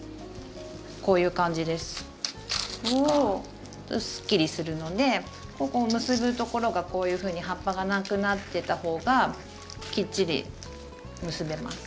すっきりするので結ぶところがこういうふうに葉っぱが無くなってた方がきっちり結べます。